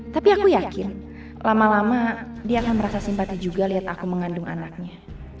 tapi aku yakin lama lama dia akan merasa simpati juga lihat aku mengandung anaknya